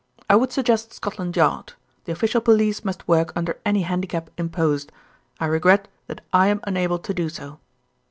"I would suggest Scotland Yard. The official police must work under any handicap imposed. I regret that I am unable to do so."